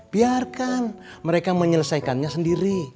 biarkan mereka menyelesaikannya sendiri